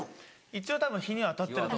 一応たぶん日には当たってると。